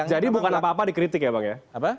jadi bukan apa apa dikritik ya bang ya